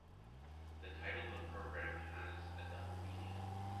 The title of the program has a double meaning.